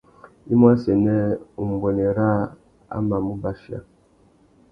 I mú assênē umbuênê râā a mà mú bachia.